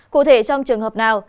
cụ thể trong trường hợp nào